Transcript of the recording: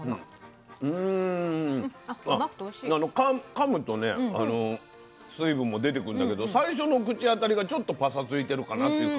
かむとね水分も出てくんだけど最初の口当たりがちょっとパサついてるかなって感じが。